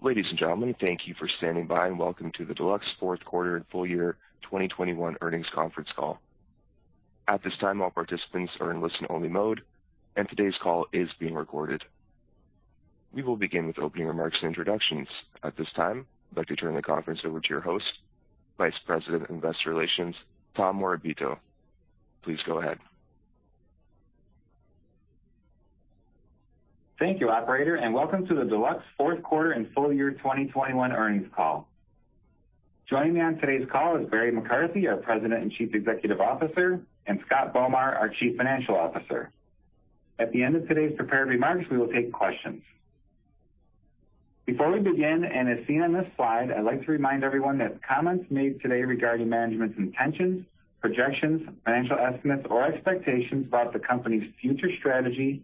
Ladies and gentlemen, thank you for standing by, and welcome to the Deluxe Q4 and Full Year Earnings Conference Call. At this time, all participants are in listen-only mode, and today's call is being recorded. We will begin with opening remarks and introductions. At this time, I'd like to turn the conference over to your host, Vice President of Investor Relations, Tom Morabito. Please go ahead. Thank you, operator, and welcome to the Deluxe Q4 and full year 2021 earnings call. Joining me on today's call is Barry McCarthy, our President and Chief Executive Officer, and Scott Bomar, our Chief Financial Officer. At the end of today's prepared remarks, we will take questions. Before we begin, and as seen on this slide, I'd like to remind everyone that comments made today regarding management's intentions, projections, financial estimates, or expectations about the company's future strategy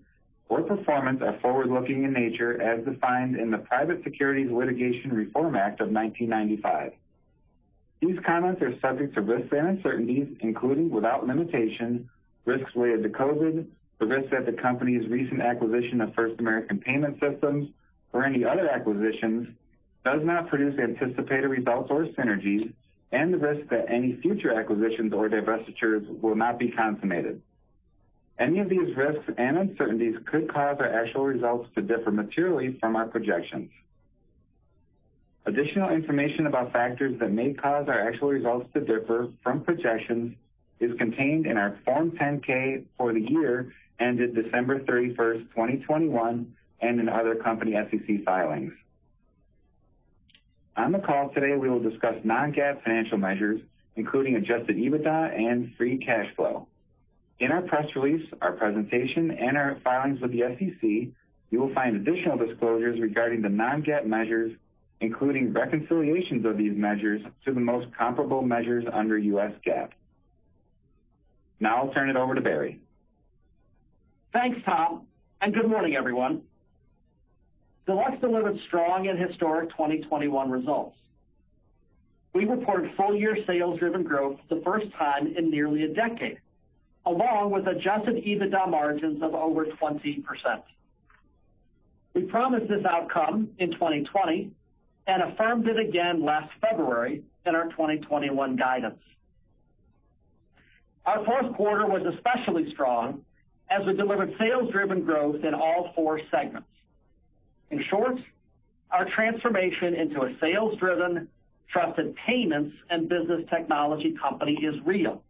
or performance are forward-looking in nature, as defined in the Private Securities Litigation Reform Act of 1995. These comments are subject to risks and uncertainties, including, without limitation, risks related to COVID, the risks that the company's recent acquisition of First American Payment Systems or any other acquisitions does not produce anticipated results or synergies, and the risk that any future acquisitions or divestitures will not be consummated. Any of these risks and uncertainties could cause our actual results to differ materially from our projections. Additional information about factors that may cause our actual results to differ from projections is contained in our Form 10-K for the year ended 31 December 2021, and in other company SEC filings. On the call today, we will discuss non-GAAP financial measures, including adjusted EBITDA and free cash flow. In our press release, our presentation, and our filings with the SEC, you will find additional disclosures regarding the non-GAAP measures, including reconciliations of these measures to the most comparable measures under U.S. GAAP. Now I'll turn it over to Barry. Thanks, Tom, and good morning, everyone. Deluxe delivered strong and historic 2021 results. We reported full-year sales-driven growth for the first time in nearly a decade, along with adjusted EBITDA margins of over 20%. We promised this outcome in 2020 and affirmed it again last February in our 2021 guidance. Our Q4 was especially strong as we delivered sales-driven growth in all four segments. In short, our transformation into a sales-driven trusted payments and business technology company is real,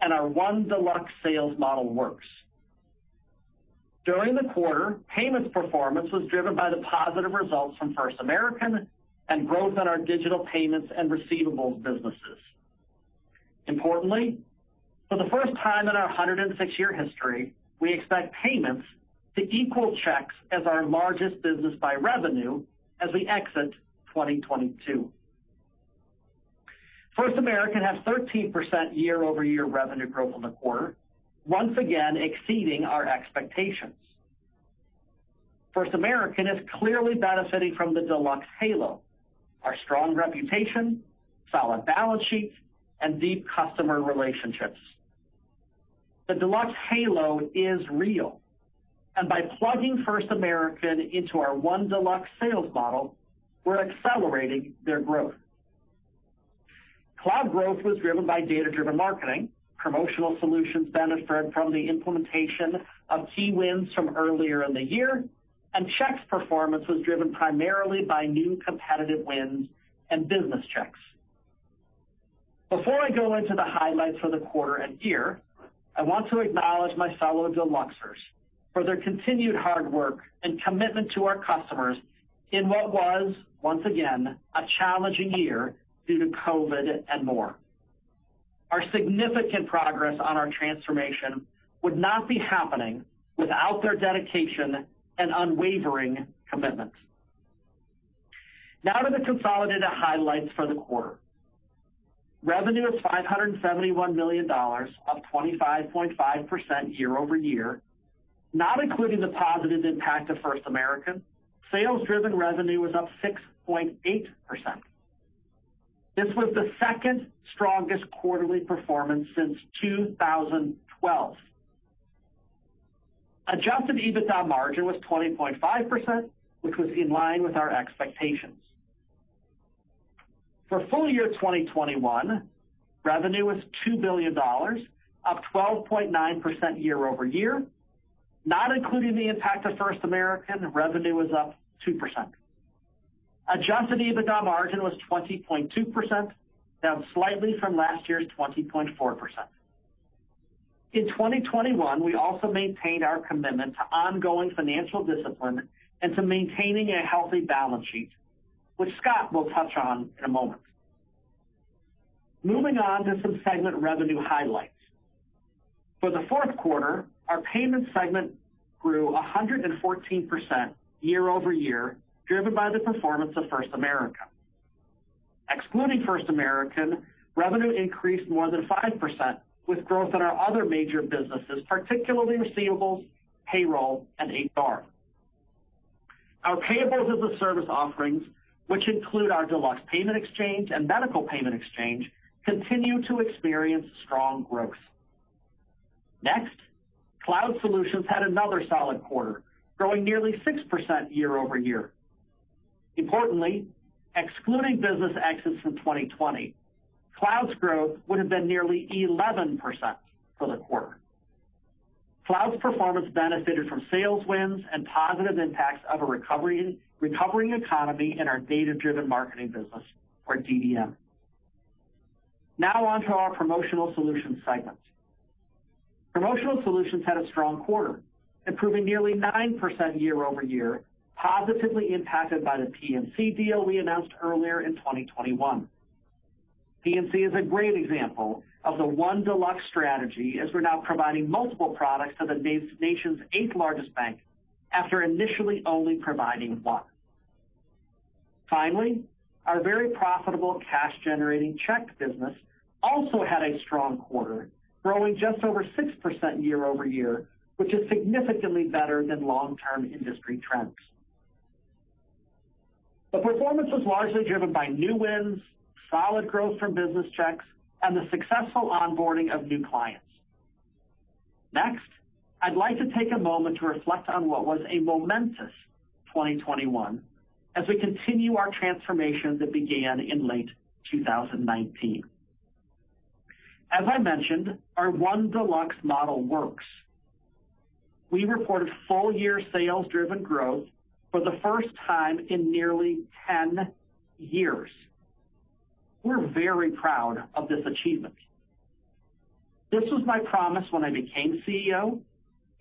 and our one Deluxe sales model works. During the quarter, payments performance was driven by the positive results from First American and growth in our digital payments and receivables businesses. Importantly, for the first time in our 106-year history, we expect payments to equal checks as our largest business by revenue as we exit 2022. First American has 13% year-over-year revenue growth in the quarter, once again exceeding our expectations. First American is clearly benefiting from the Deluxe halo, our strong reputation, solid balance sheet, and deep customer relationships. The Deluxe halo is real, and by plugging First American into our One Deluxe sales model, we're accelerating their growth. Cloud growth was driven by data-driven marketing. Promotional Solutions benefited from the implementation of key wins from earlier in the year, and checks performance was driven primarily by new competitive wins and business checks. Before I go into the highlights for the quarter and year, I want to acknowledge my fellow Deluxers for their continued hard work and commitment to our customers in what was, once again, a challenging year due to COVID and more. Our significant progress on our transformation would not be happening without their dedication and unwavering commitment. Now to the consolidated highlights for the quarter. Revenue was $571 million, up 25.5% year-over-year. Not including the positive impact of First American, sales-driven revenue was up 6.8%. This was the second strongest quarterly performance since 2012. Adjusted EBITDA margin was 20.5%, which was in line with our expectations. For full year 2021, revenue was $2 billion, up 12.9% year-over-year. Not including the impact of First American, revenue was up 2%. Adjusted EBITDA margin was 20.2%, down slightly from last year's 20.4%. In 2021, we also maintained our commitment to ongoing financial discipline and to maintaining a healthy balance sheet, which Scott will touch on in a moment. Moving on to some segment revenue highlights. For the Q4, our payments segment grew 114% year-over-year, driven by the performance of First American. Excluding First American, revenue increased more than 5% with growth in our other major businesses, particularly receivables, payroll, and HR. Our payables as a service offerings, which include our Deluxe Payment Exchange and Medical Payment Exchange, continue to experience strong growth. Next, Cloud Solutions had another solid quarter, growing nearly 6% year-over-year. Importantly, excluding business exits from 2020, Cloud's growth would have been nearly 11% for the quarter. Cloud's performance benefited from sales wins and positive impacts of recovering economy in our data-driven marketing business or DDM. Now on to our Promotional Solutions segment. Promotional Solutions had a strong quarter, improving nearly 9% year-over-year, positively impacted by the PNC deal we announced earlier in 2021. PNC is a great example of the One Deluxe strategy as we're now providing multiple products to the nation's eighth-largest bank after initially only providing one. Finally, our very profitable cash-generating Check business also had a strong quarter, growing just over 6% year-over-year, which is significantly better than long-term industry trends. The performance was largely driven by new wins, solid growth from business checks, and the successful onboarding of new clients. Next, I'd like to take a moment to reflect on what was a momentous 2021 as we continue our transformation that began in late 2019. As I mentioned, our One Deluxe model works. We reported full-year sales-driven growth for the first time in nearly 10 years. We're very proud of this achievement. This was my promise when I became CEO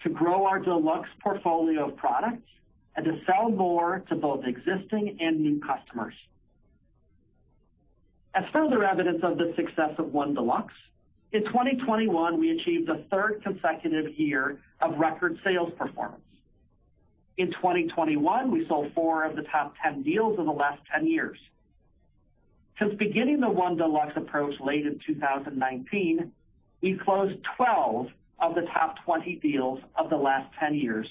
to grow our Deluxe portfolio of products and to sell more to both existing and new customers. As further evidence of the success of One Deluxe, in 2021, we achieved a third consecutive year of record sales performance. In 2021, we sold four of the top 10 deals in the last 10 years. Since beginning the One Deluxe approach late in 2019, we've closed 12 of the top 20 deals of the last 10 years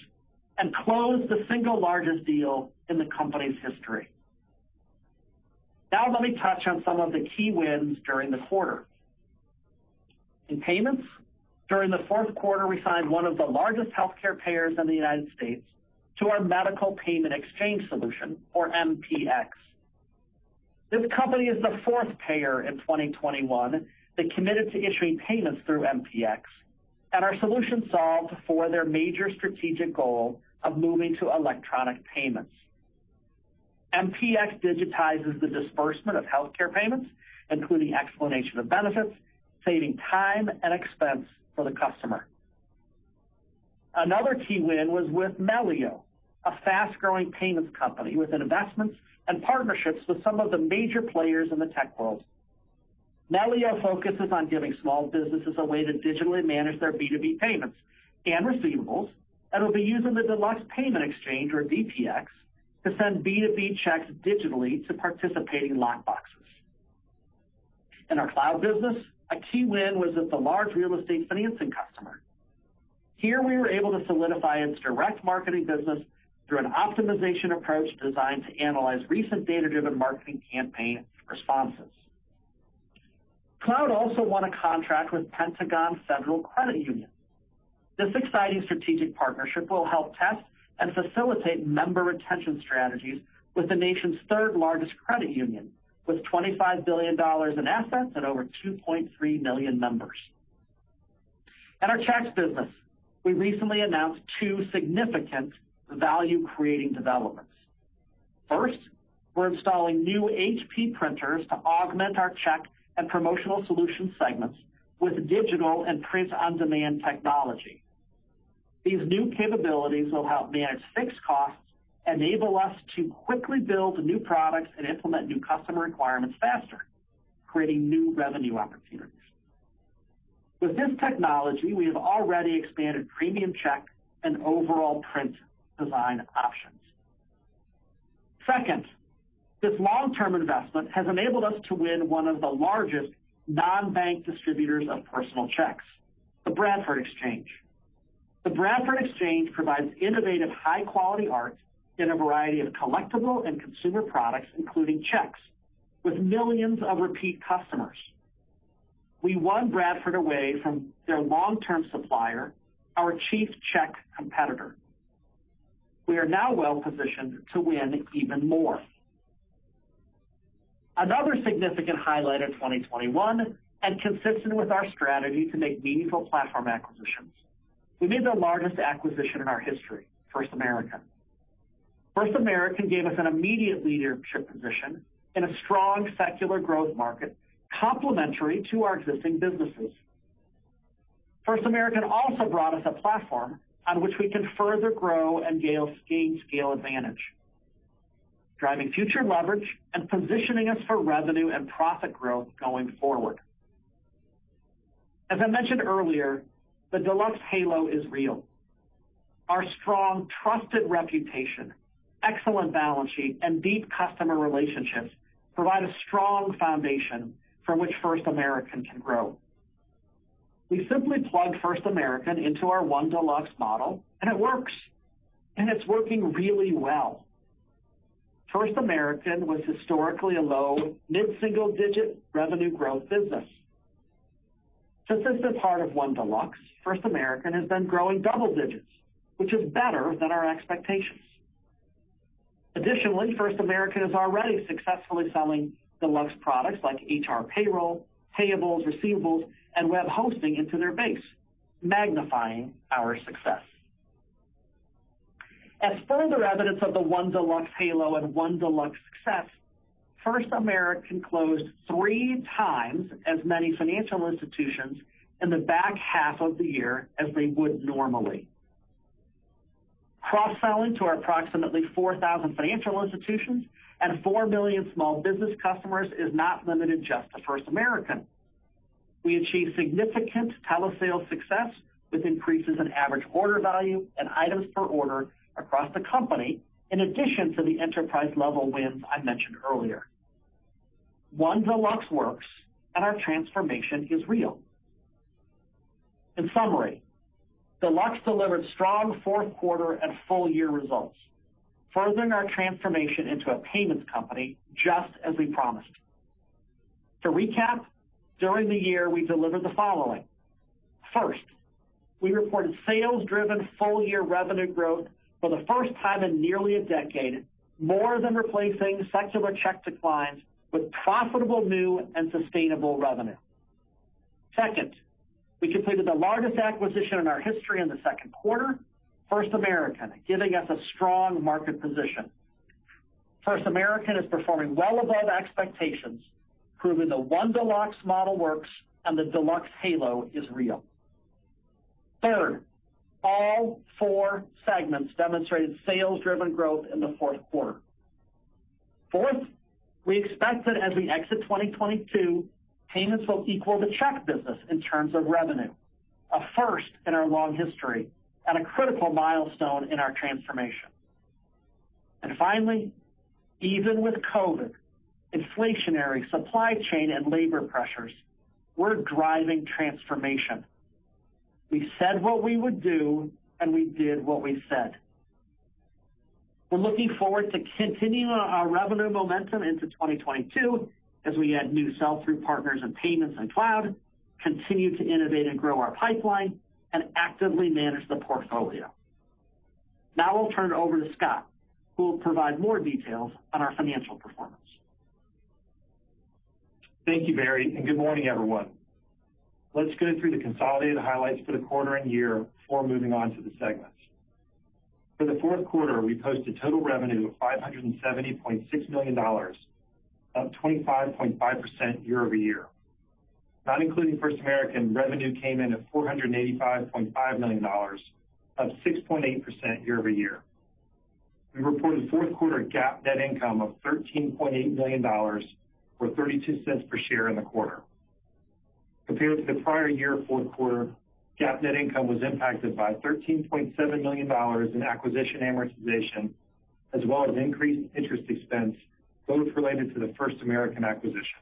and closed the single largest deal in the company's history. Now let me touch on some of the key wins during the quarter. In payments, during the fourth quarter, we signed one of the largest healthcare payers in the United States to our Medical Payment Exchange solution or MPX. This company is the fourth payer in 2021 that committed to issuing payments through MPX, and our solution solved for their major strategic goal of moving to electronic payments. MPX digitizes the disbursement of healthcare payments, including explanation of benefits, saving time and expense for the customer. Another key win was with Melio, a fast-growing payments company with investments and partnerships with some of the major players in the tech world. Melio focuses on giving small businesses a way to digitally manage their B2B payments and receivables, and will be using the Deluxe Payment Exchange or DPX to send B2B checks digitally to participating lockboxes. In our cloud business, a key win was with a large real estate financing customer. Here we were able to solidify its direct marketing business through an optimization approach designed to analyze recent data-driven marketing campaign responses. Cloud also won a contract with Pentagon Federal Credit Union. This exciting strategic partnership will help test and facilitate member retention strategies with the nation's third-largest credit union, with $25 billion in assets and over 2.3 million members. In our Checks business, we recently announced two significant value-creating developments. First, we're installing new HP printers to augment our Check and Promotional Solutions segments with digital and print-on-demand technology. These new capabilities will help manage fixed costs, enable us to quickly build new products and implement new customer requirements faster, creating new revenue opportunities. With this technology, we have already expanded premium check and overall print design options. Second, this long-term investment has enabled us to win one of the largest non-bank distributors of personal checks, The Bradford Exchange. The Bradford Exchange provides innovative, high-quality art in a variety of collectible and consumer products, including checks with millions of repeat customers. We won Bradford away from their long-term supplier, our chief Check competitor. We are now well-positioned to win even more. Another significant highlight of 2021 and consistent with our strategy to make meaningful platform acquisitions, we made the largest acquisition in our history, First American. First American gave us an immediate leadership position in a strong secular growth market complementary to our existing businesses. First American also brought us a platform on which we can further grow and gain scale advantage, driving future leverage and positioning us for revenue and profit growth going forward. As I mentioned earlier, the Deluxe halo is real. Our strong, trusted reputation, excellent balance sheet, and deep customer relationships provide a strong foundation from which First American can grow. We simply plugged First American into our One Deluxe model, and it works, and it's working really well. First American was historically a low mid-single-digit revenue growth business. Since it's a part of One Deluxe, First American has been growing double digits, which is better than our expectations. Additionally, First American is already successfully selling Deluxe products like HR payroll, payables, receivables, and web hosting into their banks, magnifying our success. As further evidence of the One Deluxe halo and One Deluxe success, First American closed three times as many financial institutions in the back half of the year as they would normally. Cross-selling to our approximately 4,000 financial institutions and 4 million small business customers is not limited just to First American. We achieved significant telesales success with increases in average order value and items per order across the company in addition to the enterprise-level wins I mentioned earlier. One Deluxe works and our transformation is real. In summary, Deluxe delivered strong Q4 and full-year results, furthering our transformation into a payments company, just as we promised. To recap, during the year, we delivered the following. First, we reported sales-driven full-year revenue growth for the first time in nearly a decade, more than replacing secular check declines with profitable new and sustainable revenue. Second, we completed the largest acquisition in our history in the Q2, First American, giving us a strong market position. First American is performing well above expectations, proving the One Deluxe model works and the Deluxe halo is real. Third, all four segments demonstrated sales-driven growth in the Q4. Fourth, we expect that as we exit 2022, payments will equal the check business in terms of revenue, a first in our long history and a critical milestone in our transformation. Finally, even with COVID, inflationary supply chain and labor pressures, we're driving transformation. We said what we would do, and we did what we said. We're looking forward to continuing our revenue momentum into 2022 as we add new sell-through partners in payments and cloud, continue to innovate and grow our pipeline, and actively manage the portfolio. Now I'll turn it over to Scott, who will provide more details on our financial performance. Thank you, Barry, and good morning, everyone. Let's go through the consolidated highlights for the quarter and year before moving on to the segments. For the Q4, we posted total revenue of $570.6 million, up 25.5% year-over-year. Not including First American, revenue came in at $485.5 million, up 6.8% year-over-year. We reported Q4 GAAP net income of $13.8 million or $0.32 per share in the quarter. Compared to the prior year Q4, GAAP net income was impacted by $13.7 million in acquisition amortization as well as increased interest expense, both related to the First American acquisition.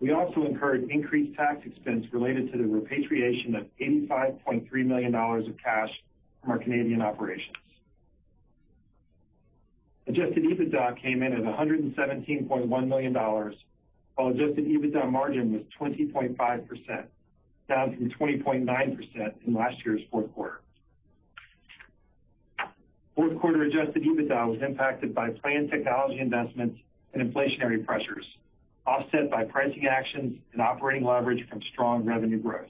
We also incurred increased tax expense related to the repatriation of $85.3 million of cash from our Canadian operations. Adjusted EBITDA came in at $117.1 million, while adjusted EBITDA margin was 20.5%, down from 20.9% in last year's Q4. Q4 adjusted EBITDA was impacted by planned technology investments and inflationary pressures, offset by pricing actions and operating leverage from strong revenue growth.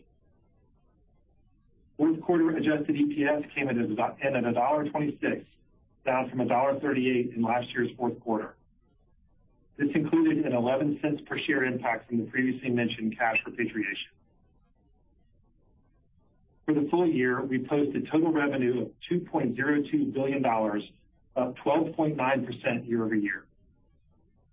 Q4 adjusted EPS came in at $1.26, down from $1.38 in last year's Q4.This included an $0.11 per share impact from the previously mentioned cash repatriation. For the full year, we posted total revenue of $2.02 billion, up 12.9% year-over-year.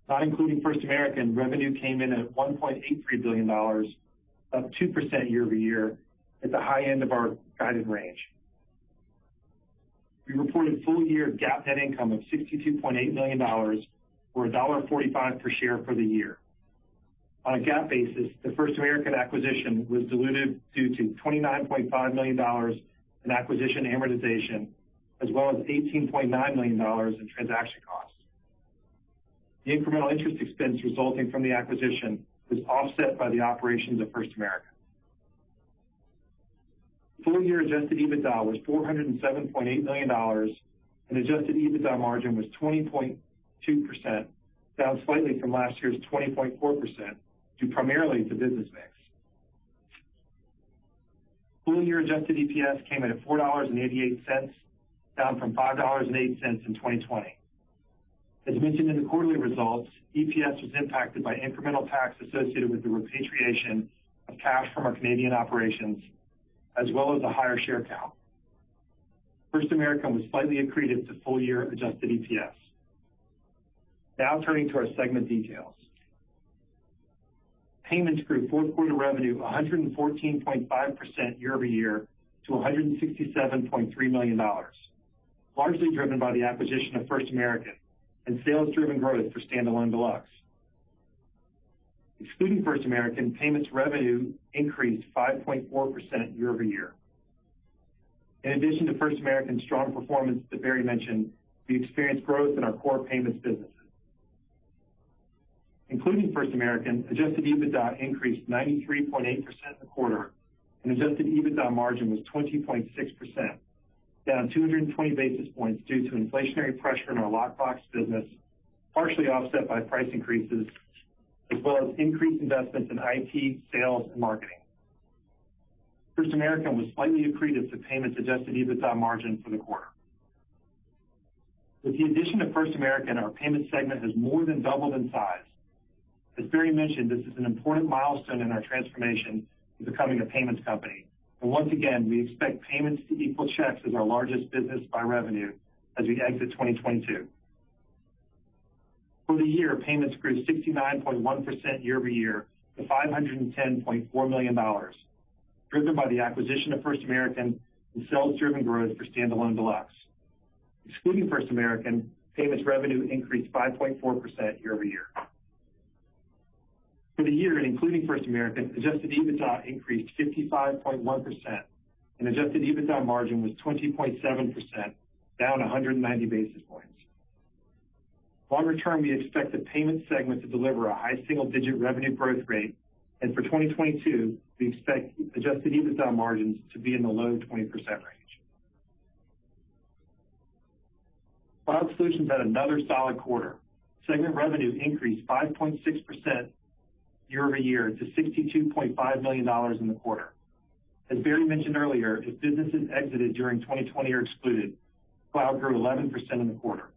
Not including First American, revenue came in at $1.83 billion, up 2% year-over-year at the high end of our guided range. We reported full-year GAAP net income of $62.8 million or $1.45 per share for the year. On a GAAP basis, the First American acquisition was diluted due to $29.5 million in acquisition amortization, as well as $18.9 million in transaction costs. The incremental interest expense resulting from the acquisition was offset by the operations of First American. Full-year adjusted EBITDA was $407.8 million, and adjusted EBITDA margin was 20.2%, down slightly from last year's 20.4% due primarily to business mix. Full-year adjusted EPS came in at $4.88, down from $5.08 in 2020. As mentioned in the quarterly results, EPS was impacted by incremental tax associated with the repatriation of cash from our Canadian operations as well as a higher share count. First American was slightly accretive to full-year adjusted EPS. Now turning to our segment details. Payments grew Q4 revenue 114.5% year-over-year to $167.3 million, largely driven by the acquisition of First American and sales-driven growth for standalone Deluxe. Excluding First American, payments revenue increased 5.4% year-over-year. In addition to First American's strong performance that Barry mentioned, we experienced growth in our core payments businesses. Including First American, adjusted EBITDA increased 93.8% in the quarter and adjusted EBITDA margin was 20.6%, down 220 basis points due to inflationary pressure in our lockbox business, partially offset by price increases as well as increased investments in IT, sales, and marketing. First American was slightly accretive to payment adjusted EBITDA margin for the quarter. With the addition of First American, our payment segment has more than doubled in size. As Barry mentioned, this is an important milestone in our transformation to becoming a payments company. Once again, we expect payments to equal checks as our largest business by revenue as we exit 2022. For the year, payments grew 69.1% year-over-year to $510.4 million, driven by the acquisition of First American and sales-driven growth for standalone Deluxe. Excluding First American, payments revenue increased 5.4% year-over-year. For the year and including First American, adjusted EBITDA increased 55.1% and adjusted EBITDA margin was 20.7%, down 190 basis points. Longer term, we expect the payment segment to deliver a high single-digit revenue growth rate, and for 2022, we expect adjusted EBITDA margins to be in the low 20% range. Cloud Solutions had another solid quarter. Segment revenue increased 5.6% year-over-year to $62.5 million in the quarter. As Barry mentioned earlier, if businesses exited during 2020 are excluded, cloud grew 11% in the quarter.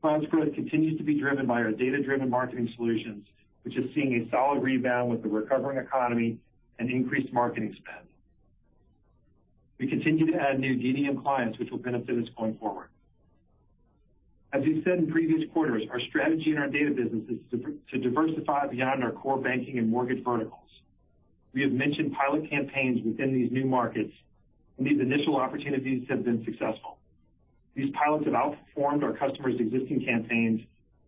Cloud's growth continues to be driven by our data-driven marketing solutions, which is seeing a solid rebound with the recovering economy and increased marketing spend. We continue to add new DDM clients which will benefit us going forward. As we've said in previous quarters, our strategy in our data business is to diversify beyond our core banking and mortgage verticals. We have mentioned pilot campaigns within these new markets, and these initial opportunities have been successful. These pilots have outperformed our customers' existing campaigns,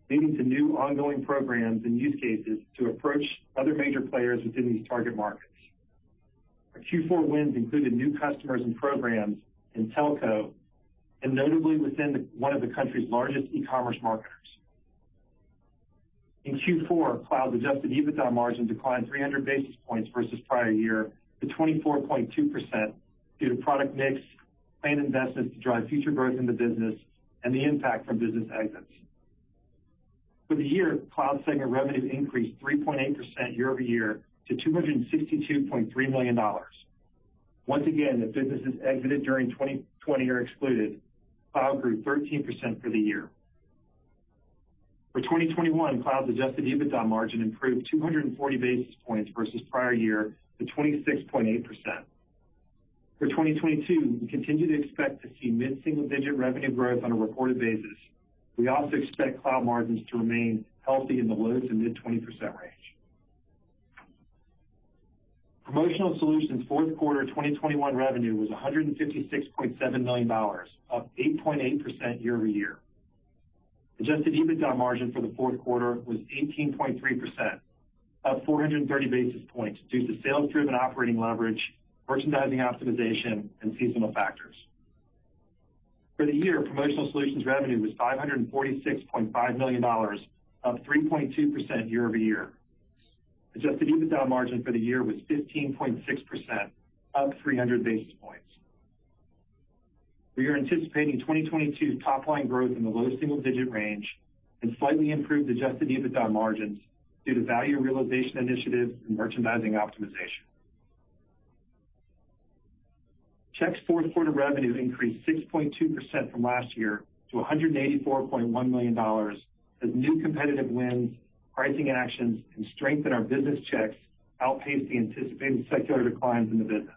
leading to new ongoing programs and use cases to approach other major players within these target markets. Our Q4 wins included new customers and programs in telco and notably within the one of the country's largest e-commerce marketers. In Q4, Cloud-adjusted EBITDA margin declined 300 basis points versus prior year to 24.2% due to product mix, planned investments to drive future growth in the business and the impact from business exits. For the year, Cloud Solutions revenue increased 3.8% year-over-year to $262.3 million. Once again, if businesses exited during 2020 are excluded, Cloud Solutions grew 13% for the year. For 2021, Cloud Solutions' adjusted EBITDA margin improved 240 basis points versus prior year to 26.8%. For 2022, we continue to expect to see mid-single digit revenue growth on a reported basis. We also expect Cloud Solutions margins to remain healthy in the low- to mid-20% range. Promotional Solutions' Q4 2021 revenue was $156.7 million, up 8.8% year-over-year. Adjusted EBITDA margin for the Q4 was 18.3%, up 430 basis points due to sales-driven operating leverage, merchandising optimization, and seasonal factors. For the year, Promotional Solutions revenue was $546.5 million, up 3.2% year-over-year. Adjusted EBITDA margin for the year was 15.6%, up 300 basis points. We are anticipating 2022 top line growth in the low single-digit range and slightly improved adjusted EBITDA margins due to value realization initiatives and merchandising optimization. Checks Q4 revenue increased 6.2% from last year to $184.1 million as new competitive wins, pricing actions and strength in our business checks outpaced the anticipated secular declines in the business.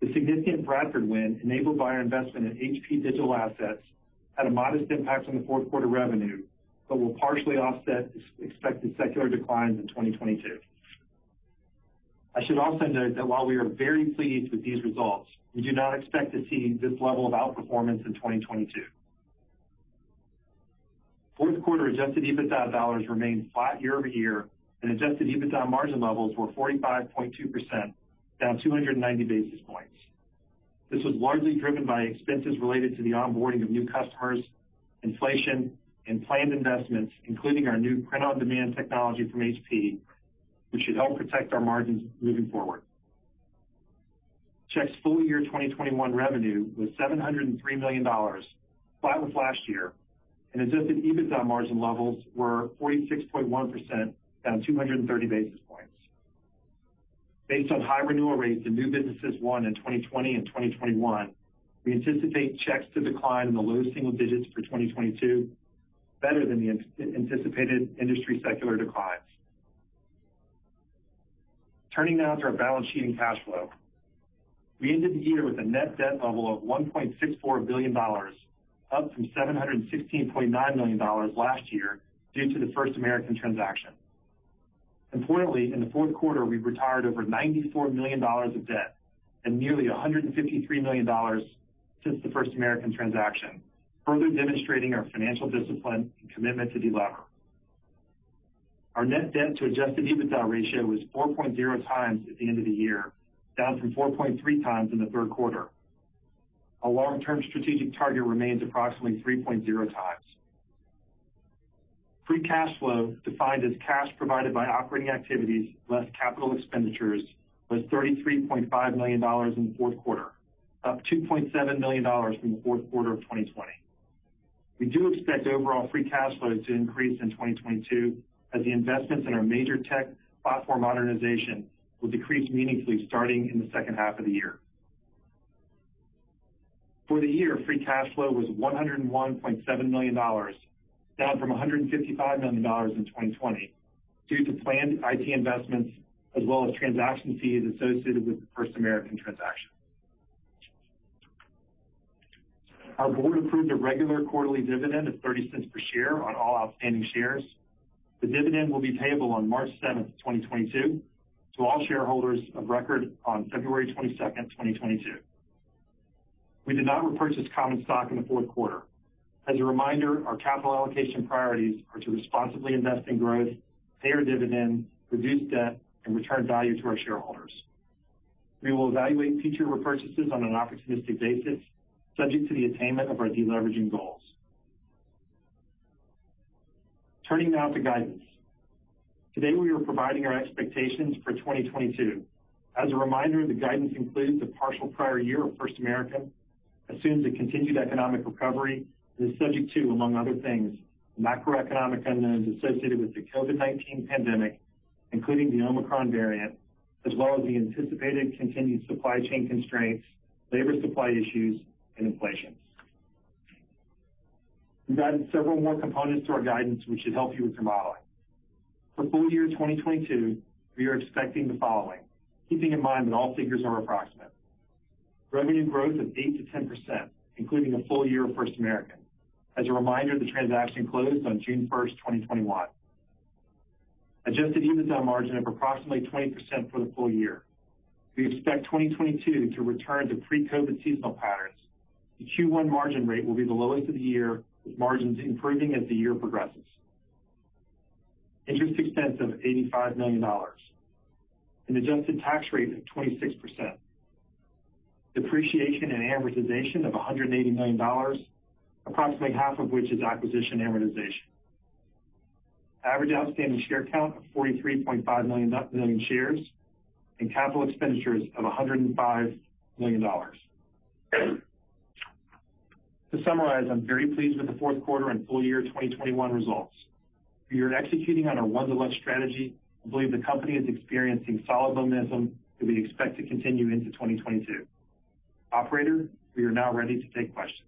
The significant Bradford win enabled by our investment in HP digital assets had a modest impact on the Q4 revenue but will partially offset expected secular declines in 2022. I should also note that while we are very pleased with these results, we do not expect to see this level of outperformance in 2022. Q4 adjusted EBITDA dollars remained flat year over year, and adjusted EBITDA margin levels were 45.2%, down 290 basis points. This was largely driven by expenses related to the onboarding of new customers, inflation and planned investments, including our new print-on-demand technology from HP, which should help protect our margins moving forward. Checks' full year 2021 revenue was $703 million, flat with last year, and adjusted EBITDA margin levels were 46.1%, down 230 basis points. Based on high renewal rates and new businesses won in 2020 and 2021, we anticipate checks to decline in the low single digits for 2022, better than the anticipated industry secular declines. Turning now to our balance sheet and cash flow. We ended the year with a net debt level of $1.64 billion, up from $716.9 million last year due to the First American transaction. Importantly, in the Q4, we retired over $94 million of debt and nearly $153 million since the First American transaction, further demonstrating our financial discipline and commitment to delever. Our net debt to adjusted EBITDA ratio was 4.0x at the end of the year, down from 4.3x in the Q3. Our long-term strategic target remains approximately 3.0x. Free cash flow, defined as cash provided by operating activities less capital expenditures, was $33.5 million in the Q4, up $2.7 million from the Q4 of 2020. We do expect overall free cash flow to increase in 2022 as the investments in our major tech platform modernization will decrease meaningfully starting in the second half of the year. For the year, free cash flow was $101.7 million, down from $155 million in 2020 due to planned IT investments as well as transaction fees associated with the First American transaction. Our board approved a regular quarterly dividend of $0.30 per share on all outstanding shares. The dividend will be payable on 7 March 2022, to all shareholders of record on 22 February, 2022. We did not repurchase common stock in the Q4. As a reminder, our capital allocation priorities are to responsibly invest in growth, pay our dividend, reduce debt, and return value to our shareholders. We will evaluate future repurchases on an opportunistic basis subject to the attainment of our deleveraging goals. Turning now to guidance. Today, we are providing our expectations for 2022. As a reminder, the guidance includes a partial prior year of First American, assumes a continued economic recovery, and is subject to, among other things, macroeconomic unknowns associated with the COVID-19 pandemic, including the Omicron variant, as well as the anticipated continued supply chain constraints, labor supply issues, and inflation. We've added several more components to our guidance, which should help you with your modeling. For full year 2022, we are expecting the following, keeping in mind that all figures are approximate. Revenue growth of 8%-10%, including a full year of First American. As a reminder, the transaction closed on 1 June 2021. Adjusted EBITDA margin of approximately 20% for the full year. We expect 2022 to return to pre-COVID seasonal patterns. The Q1 margin rate will be the lowest of the year, with margins improving as the year progresses. Interest expense of $85 million. An adjusted tax rate of 26%. Depreciation and amortization of $180 million, approximately half of which is acquisition amortization. Average outstanding share count of 43.5 million shares, and capital expenditures of $105 million. To summarize, I'm very pleased with the Q4 and full year 2021 results. We are executing on our One Deluxe strategy and believe the company is experiencing solid momentum that we expect to continue into 2022. Operator, we are now ready to take questions.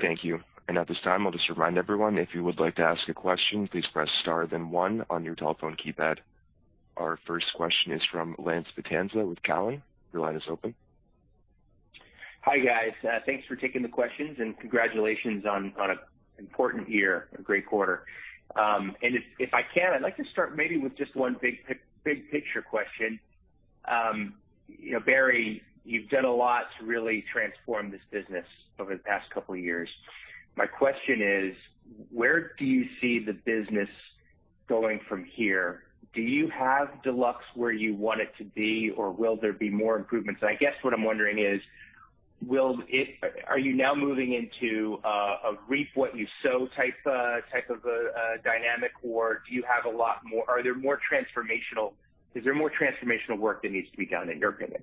Thank you. At this time, I'll just remind everyone, if you would like to ask a question, please press star then one on your telephone keypad. Our first question is from Lance Vitanza with Cowen. Your line is open. Hi, guys. Thanks for taking the questions and congratulations on an important year, a great quarter. If I can, I'd like to start maybe with just one big picture question. You know, Barry, you've done a lot to really transform this business over the past couple of years. My question is, where do you see the business going from here? Do you have Deluxe where you want it to be, or will there be more improvements? I guess what I'm wondering is, are you now moving into a reap what you sow type of a dynamic, or is there more transformational work that needs to be done in your opinion?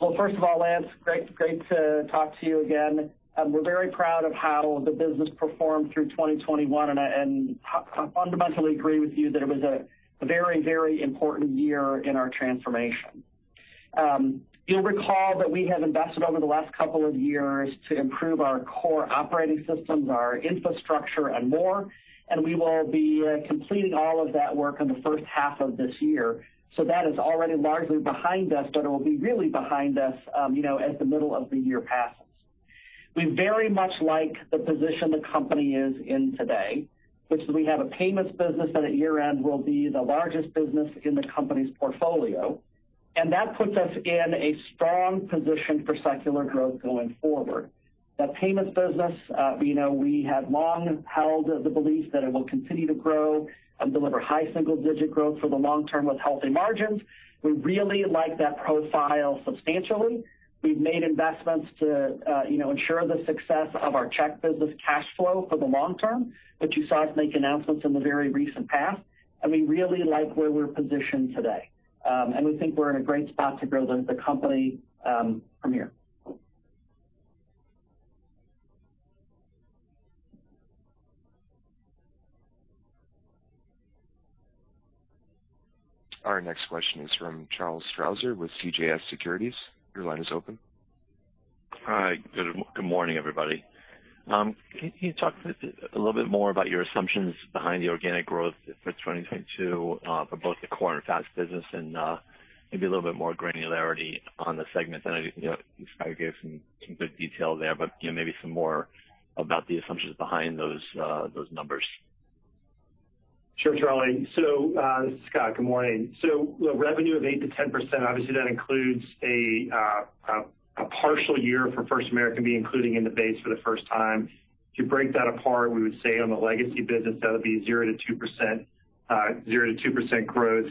Well, first of all, Lance, great to talk to you again. We're very proud of how the business performed through 2021, and I fundamentally agree with you that it was a very important year in our transformation. You'll recall that we have invested over the last couple of years to improve our core operating systems, our infrastructure, and more, and we will be completing all of that work in the first half of this year. That is already largely behind us, but it'll be really behind us, you know, as the middle of the year passes. We very much like the position the company is in today, which is we have a payments business that at year-end will be the largest business in the company's portfolio. That puts us in a strong position for secular growth going forward. The payments business, you know, we have long held the belief that it will continue to grow and deliver high single-digit growth for the long term with healthy margins. We really like that profile substantially. We've made investments to ensure the success of our check business cash flow for the long term, which you saw us make announcements in the very recent past. We really like where we're positioned today. We think we're in a great spot to grow the company from here. Our next question is from Charles Strauzer with CJS Securities. Your line is open. Hi. Good morning, everybody. Can you talk a little bit more about your assumptions behind the organic growth for 2022, for both the core and FAPS Business and, maybe a little bit more granularity on the segment? I know you know, you gave some good detail there, but, you know, maybe some more about the assumptions behind those numbers. Sure, Charlie. This is Scott. Good morning. The revenue of 8%-10%, obviously that includes a partial year for First American being included in the base for the first time. If you break that apart, we would say on the legacy business, that'll be 0%-2% growth,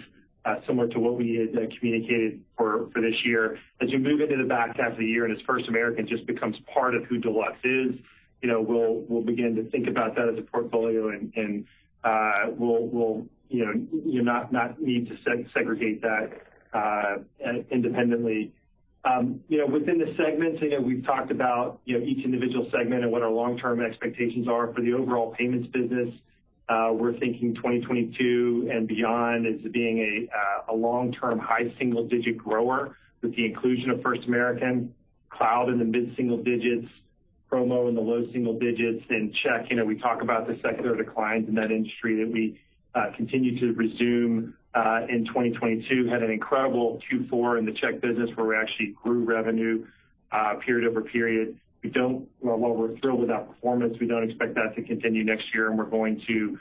similar to what we had communicated for this year. As you move into the back half of the year and as First American just becomes part of who Deluxe is, you know, we'll begin to think about that as a portfolio and we'll, you know, you won't need to segregate that independently. You know, within the segments, you know, we've talked about each individual segment and what our long-term expectations are for the overall payments business. We're thinking 2022 and beyond as being a long-term high single-digit grower with the inclusion of First American. Cloud in the mid-single digits, promo in the low single digits, and check, you know, we talk about the secular declines in that industry that we continue to resume in 2022. Had an incredible Q4 in the check business where we actually grew revenue period-over-period. While we're thrilled with that performance, we don't expect that to continue next year, and we're going to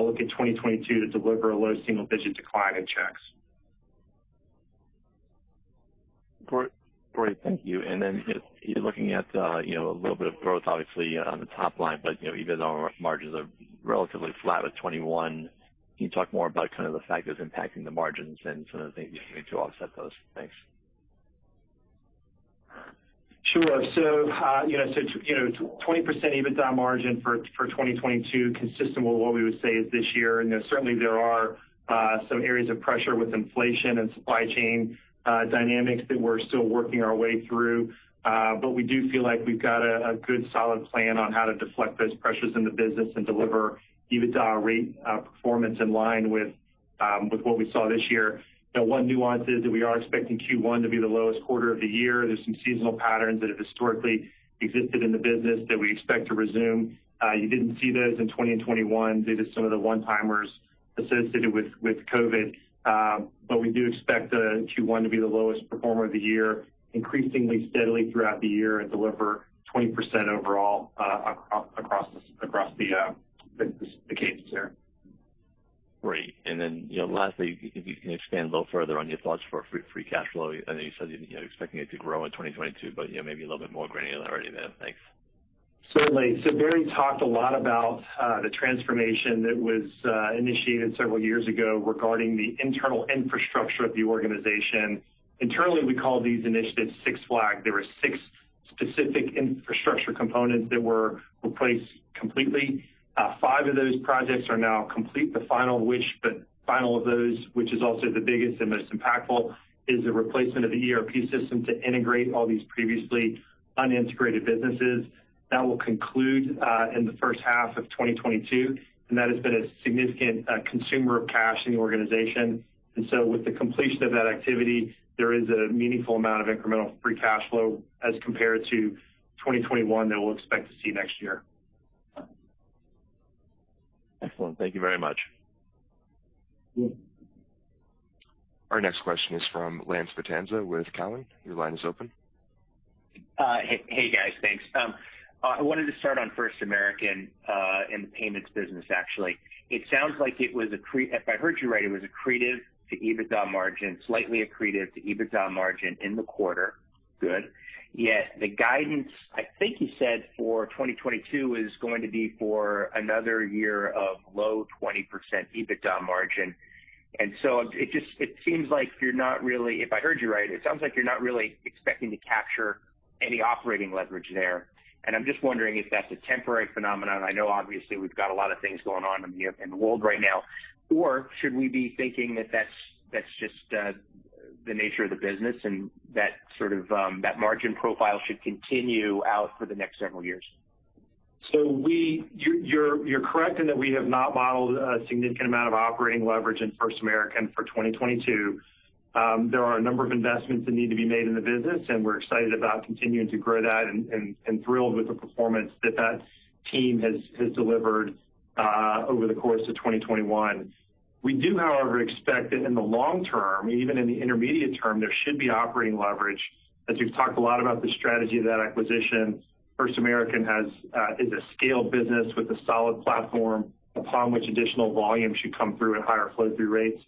look at 2022 to deliver a low single-digit decline in checks. Great. Thank you. If you're looking at, you know, a little bit of growth obviously on the top line, but, you know, even though our margins are relatively flat at 21%, can you talk more about kind of the factors impacting the margins and some of the things you need to offset those? Thanks. Sure. You know, 20% EBITDA margin for 2022 consistent with what we would say is this year. You know, certainly there are some areas of pressure with inflation and supply chain dynamics that we're still working our way through. We do feel like we've got a good solid plan on how to deflect those pressures in the business and deliver EBITDA rate performance in line with what we saw this year. Now one nuance is that we are expecting Q1 to be the lowest quarter of the year. There's some seasonal patterns that have historically existed in the business that we expect to resume. You didn't see those in 2021 due to some of the one-timers associated with COVID. We expect Q1 to be the lowest performer of the year, increasing steadily throughout the year, and deliver 20% overall across the case here. Great. You know, lastly, if you can expand a little further on your thoughts for free cash flow. I know you said you're expecting it to grow in 2022, but, you know, maybe a little bit more granular than I already am. Thanks. Certainly. Barry talked a lot about the transformation that was initiated several years ago regarding the internal infrastructure of the organization. Internally, we call these initiatives Six Flag. There were six specific infrastructure components that were replaced completely. Five of those projects are now complete. The final of those, which is also the biggest and most impactful, is the replacement of the ERP system to integrate all these previously unintegrated businesses. That will conclude in the first half of 2022, and that has been a significant consumer of cash in the organization. With the completion of that activity, there is a meaningful amount of incremental free cash flow as compared to 2021 that we'll expect to see next year. Excellent. Thank you very much. Yeah. Our next question is from Lance Vitanza with Cowen. Your line is open. I wanted to start on First American and the payments business, actually. It sounds like it was accretive to EBITDA margin, slightly accretive to EBITDA margin in the quarter. Good. Yet the guidance, I think you said for 2022 is going to be for another year of low 20% EBITDA margin. It just seems like you're not really expecting to capture any operating leverage there. If I heard you right, it sounds like you're not really expecting to capture any operating leverage there. I'm just wondering if that's a temporary phenomenon. I know obviously we've got a lot of things going on in the world right now. Should we be thinking that that's just the nature of the business and that sort of that margin profile should continue out for the next several years? You're correct in that we have not modeled a significant amount of operating leverage in First American for 2022. There are a number of investments that need to be made in the business, and we're excited about continuing to grow that and thrilled with the performance that team has delivered over the course of 2021. We do, however, expect that in the long term, even in the intermediate term, there should be operating leverage. As we've talked a lot about the strategy of that acquisition, First American is a scaled business with a solid platform upon which additional volume should come through at higher flow-through rates.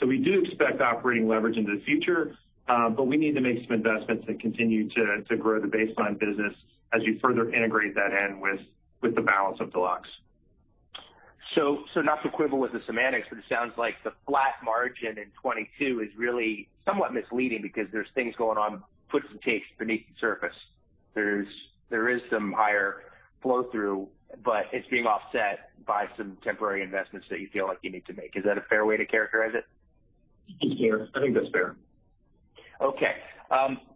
We do expect operating leverage into the future, but we need to make some investments and continue to grow the baseline business as we further integrate that in with the balance of Deluxe. Not to quibble with the semantics, but it sounds like the flat margin in 2022 is really somewhat misleading because there's things going on under the hood beneath the surface. There is some higher flow-through, but it's being offset by some temporary investments that you feel like you need to make. Is that a fair way to characterize it? Sure. I think that's fair. Okay.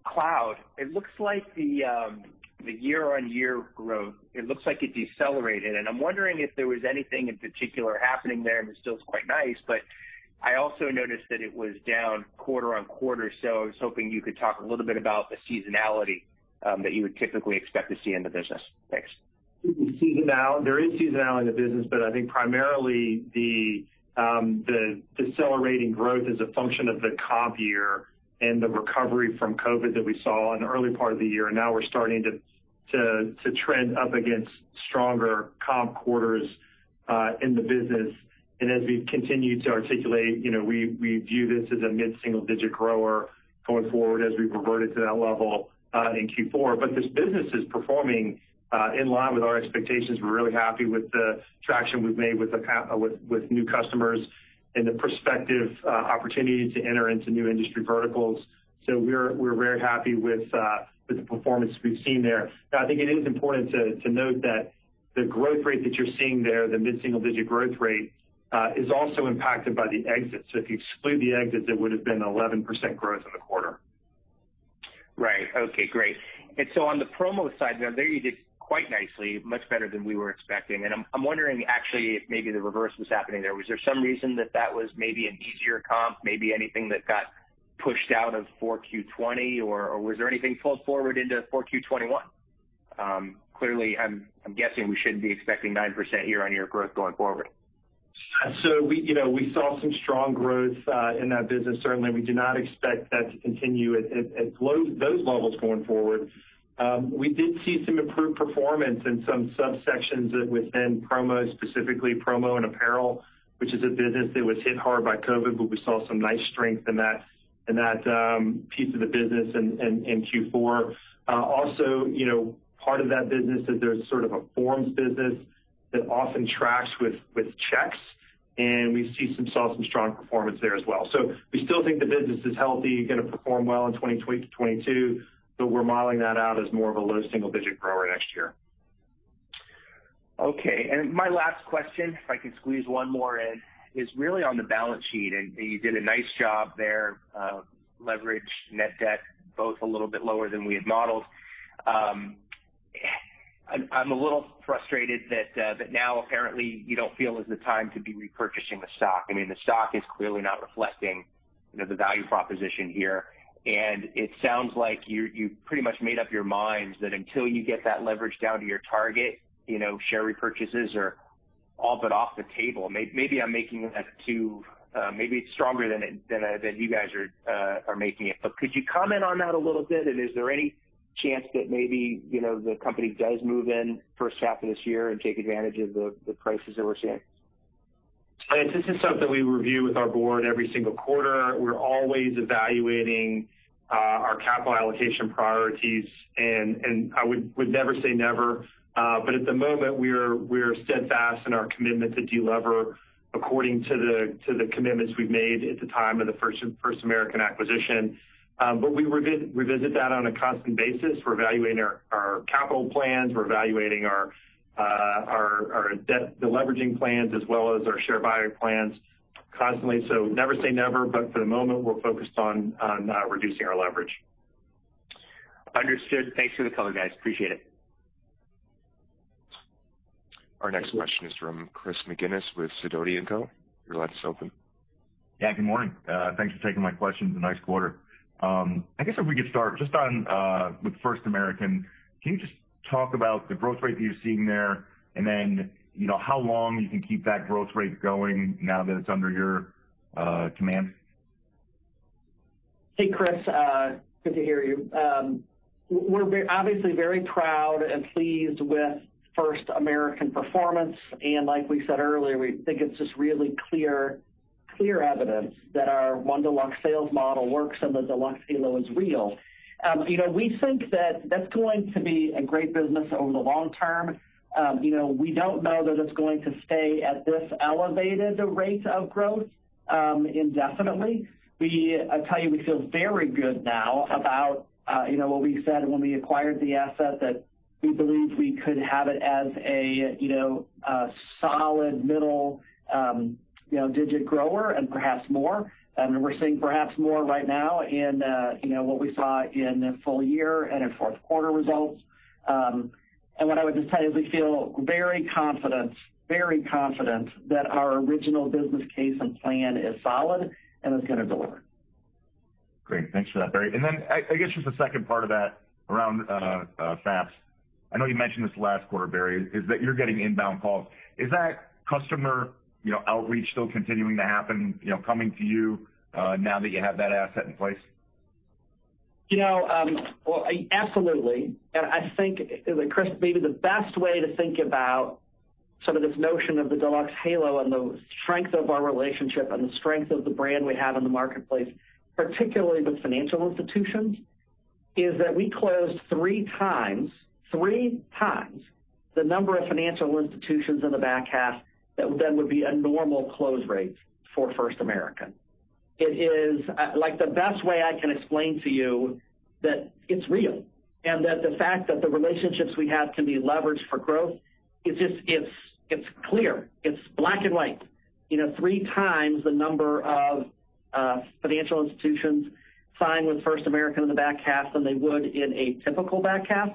Cloud, it looks like the year-over-year growth, it looks like it decelerated. I'm wondering if there was anything in particular happening there, and it still is quite nice, but I also noticed that it was down quarter-over-quarter. I was hoping you could talk a little bit about the seasonality that you would typically expect to see in the business. Thanks. Seasonal. There is seasonality in the business, but I think primarily the decelerating growth is a function of the comp year and the recovery from COVID that we saw in the early part of the year. Now we're starting to trend up against stronger comp quarters in the business. As we continue to articulate, you know, we view this as a mid-single-digit grower going forward as we revert it to that level in Q4. This business is performing in line with our expectations. We're really happy with the traction we've made with new customers and the prospective opportunity to enter into new industry verticals. We're very happy with the performance we've seen there. Now, I think it is important to note that the growth rate that you're seeing there, the mid-single-digit growth rate, is also impacted by the exits. If you exclude the exits, it would have been 11% growth in the quarter. Right. Okay, great. On the promo side, now, there you did quite nicely, much better than we were expecting. I'm wondering actually if maybe the reverse was happening there. Was there some reason that was maybe an easier comp, maybe anything that got pushed out of 4Q 2020 or was there anything pulled forward into 4Q 2021? Clearly I'm guessing we shouldn't be expecting 9% year-over-year growth going forward. We, you know, we saw some strong growth in that business. Certainly we do not expect that to continue at those levels going forward. We did see some improved performance in some subsections within promo, specifically promo and apparel, which is a business that was hit hard by COVID, but we saw some nice strength in that piece of the business in Q4. Also, you know, part of that business is, there's sort of a forms business that often tracks with checks, and we saw some strong performance there as well. We still think the business is healthy, gonna perform well in 2022, but we're modeling that out as more of a low single digit grower next year. Okay. My last question, if I can squeeze one more in, is really on the balance sheet. You did a nice job there. Leverage, net debt, both a little bit lower than we had modeled. I'm a little frustrated that now apparently you don't feel is the time to be repurchasing the stock. I mean, the stock is clearly not reflecting, you know, the value proposition here. It sounds like you pretty much made up your minds that until you get that leverage down to your target, you know, share repurchases are all but off the table. Maybe it's stronger than you guys are making it. Could you comment on that a little bit? Is there any chance that maybe, you know, the company does move in first half of this year and take advantage of the prices that we're seeing? Lance, this is something we review with our board every single quarter. We're always evaluating our capital allocation priorities, and I would never say never. At the moment we're steadfast in our commitment to delever according to the commitments we've made at the time of the First American acquisition. We revisit that on a constant basis. We're evaluating our capital plans. We're evaluating our debt deleveraging plans as well as our share buy plans constantly. Never say never, but for the moment, we're focused on reducing our leverage. Understood. Thanks for the color, guys. Appreciate it. Our next question is from Chris McGinnis with Sidoti & Company. Your line is open. Yeah, good morning. Thanks for taking my questions. Nice quarter. I guess if we could start just on with First American. Can you just talk about the growth rate that you're seeing there and then, you know, how long you can keep that growth rate going now that it's under your command? Hey, Chris. Good to hear you. We're obviously very proud and pleased with First American performance. Like we said earlier, we think it's just really clear evidence that our One Deluxe sales model works and the Deluxe halo is real. You know, we think that that's going to be a great business over the long term. You know, we don't know that it's going to stay at this elevated rate of growth indefinitely. I'll tell you, we feel very good now about what we said when we acquired the asset, that we believed we could have it as a solid middle digit grower and perhaps more. We're seeing perhaps more right now in what we saw in the full year and in Q4 results. What I would just tell you is we feel very confident that our original business case and plan is solid and is gonna deliver. Great. Thanks for that, Barry. I guess just the second part of that around FAPS. I know you mentioned this last quarter, Barry, is that customer, you know, outreach still continuing to happen, you know, coming to you now that you have that asset in place? You know, well, absolutely. I think, Chris, maybe the best way to think about some of this notion of the Deluxe halo and the strength of our relationship and the strength of the brand we have in the marketplace, particularly with financial institutions, is that we closed three times the number of financial institutions in the back half that then would be a normal close rate for First American. It is like the best way I can explain to you that it's real and that the fact that the relationships we have can be leveraged for growth is it's clear, it's black and white. You know, three times the number of financial institutions signed with First American in the back half than they would in a typical back half.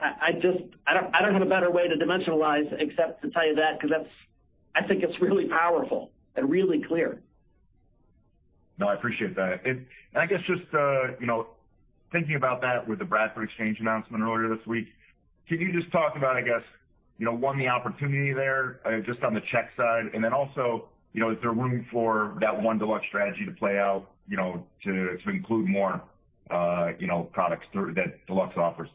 I just don't have a better way to dimensionalize except to tell you that because that's, I think it's really powerful and really clear. No, I appreciate that. I guess just, you know, thinking about that with the Bradford Exchange announcement earlier this week, can you just talk about, I guess, you know, one, the opportunity there, just on the check side, and then also, you know, is there room for that One Deluxe strategy to play out, you know, to include more, you know, products that Deluxe offers?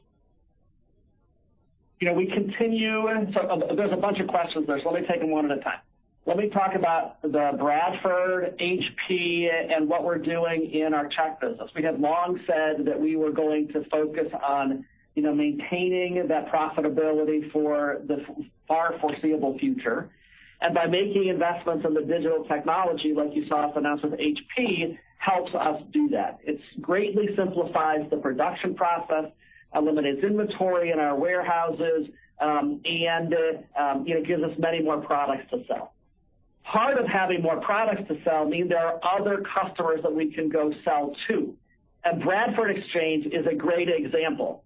You know, there's a bunch of questions there, so let me take them one at a time. Let me talk about The Bradford Exchange, HP, and what we're doing in our check business. We have long said that we were going to focus on, you know, maintaining that profitability for the foreseeable future. By making investments in the digital technology, like you saw us announce with HP, helps us do that. It's greatly simplifies the production process, eliminates inventory in our warehouses, and, you know, gives us many more products to sell. Part of having more products to sell mean there are other customers that we can go sell to, and The Bradford Exchange is a great example.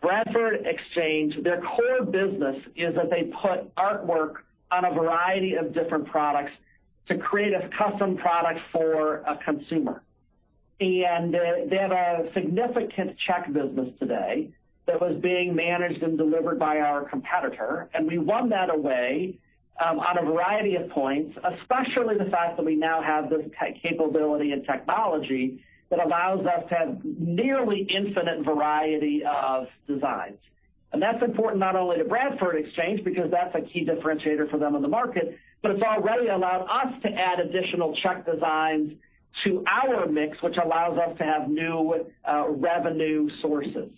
The Bradford Exchange, their core business is that they put artwork on a variety of different products to create a custom product for a consumer. They have a significant check business today that was being managed and delivered by our competitor, and we won that away on a variety of points, especially the fact that we now have this capability and technology that allows us to have nearly infinite variety of designs. That's important not only to Bradford Exchange, because that's a key differentiator for them in the market, but it's already allowed us to add additional check designs to our mix, which allows us to have new revenue sources.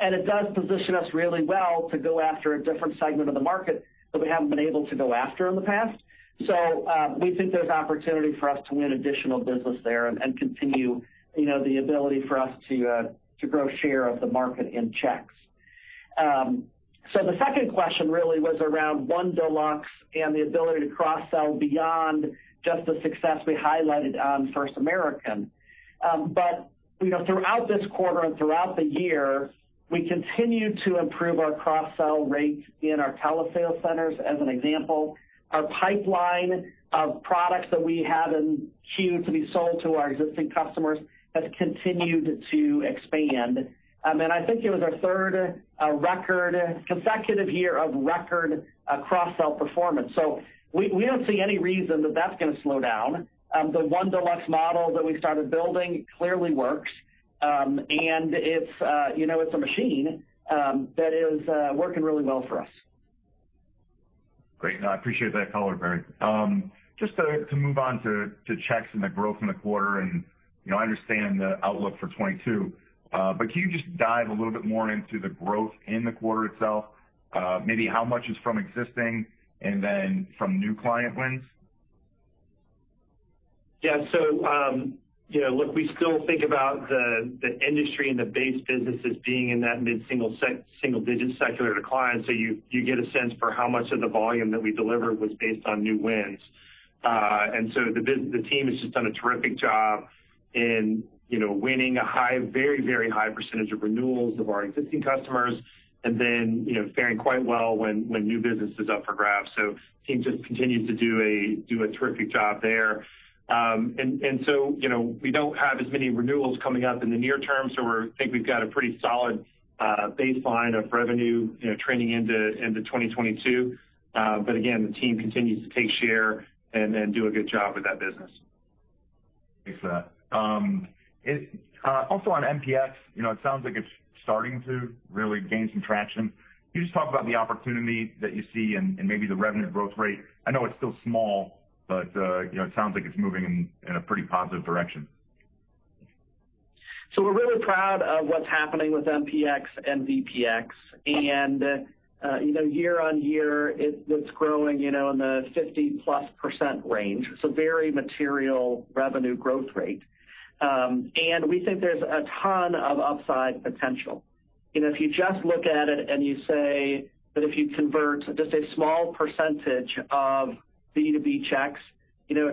It does position us really well to go after a different segment of the market that we haven't been able to go after in the past. We think there's opportunity for us to win additional business there and continue, you know, the ability for us to grow share of the market in checks. The second question really was around One Deluxe and the ability to cross-sell beyond just the success we highlighted on First American. You know, throughout this quarter and throughout the year, we continue to improve our cross-sell rate in our telesales centers, as an example. Our pipeline of products that we have in queue to be sold to our existing customers has continued to expand. I think it was our third consecutive year of record cross-sell performance. We don't see any reason that that's gonna slow down. The One Deluxe model that we started building clearly works. It's, you know, a machine that is working really well for us. Great. No, I appreciate that color, Barry. Just to move on to checks and the growth in the quarter and, you know, I understand the outlook for 2022. Can you just dive a little bit more into the growth in the quarter itself? Maybe how much is from existing and then from new client wins? Yeah. You know, look, we still think about the industry and the base business as being in that mid-single-digit secular decline, so you get a sense for how much of the volume that we delivered was based on new wins. The team has just done a terrific job in, you know, winning a very, very high percentage of renewals of our existing customers and then, you know, faring quite well when new business is up for grabs. Team just continues to do a terrific job there. You know, we don't have as many renewals coming up in the near term, so think we've got a pretty solid baseline of revenue, you know, trending into 2022. Again, the team continues to take share and then do a good job with that business. Thanks for that. Also on MPX, you know, it sounds like it's starting to really gain some traction. Can you just talk about the opportunity that you see and maybe the revenue growth rate? I know it's still small, but you know, it sounds like it's moving in a pretty positive direction. We're really proud of what's happening with MPX and DPX. You know, year-over-year it's growing, you know, in the 50%+ range. It's a very material revenue growth rate. We think there's a ton of upside potential. You know, if you just look at it and you say that if you convert just a small percentage of B2B checks, you know,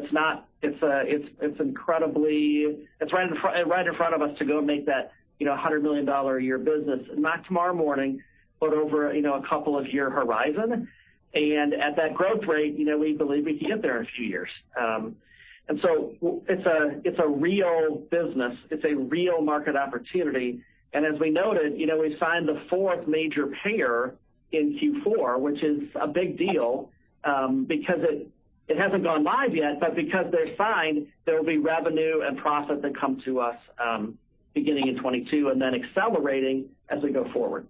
it's incredibly right in front of us to go make that, you know, a $100 million-a-year business. Not tomorrow morning, but over, you know, a couple of year horizon. At that growth rate, you know, we believe we can get there in a few years. It's a real business. It's a real market opportunity. As we noted, you know, we signed the fourth major payer in Q4, which is a big deal, because it hasn't gone live yet, but because they're signed, there'll be revenue and profit that come to us, beginning in 2022 and then accelerating as we go forward.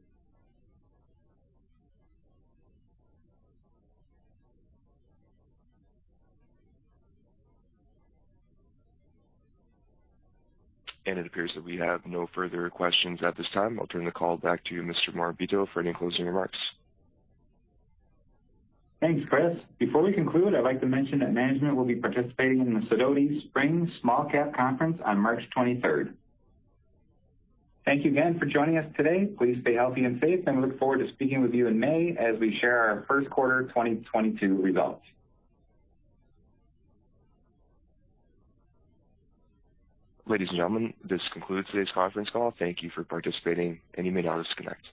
It appears that we have no further questions at this time. I'll turn the call back to you, Mr. Morabito, for any closing remarks. Thanks, Chris. Before we conclude, I'd like to mention that management will be participating in the Sidoti Spring Small-Cap Virtual Conference on 23 March. Thank you again for joining us today. Please stay healthy and safe, and we look forward to speaking with you in May as we share our Q1 2022 results. Ladies and gentlemen, this concludes today's conference call. Thank you for participating, and you may now disconnect.